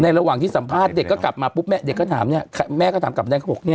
ในระหว่างที่สัมภาษณ์เด็กก็กลับมาปุ๊บแม่ก็ถามกลับมาแล้วเขาบอก